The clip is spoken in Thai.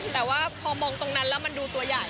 แต่ว่าพอมองตรงนั้นแล้วมันดูตัวใหญ่